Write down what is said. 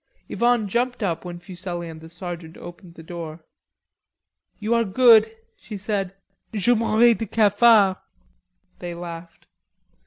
Yvonne jumped up when Fuselli and the sergeant opened the door. "You are good," she said. "Je mourrais de cafard." They laughed.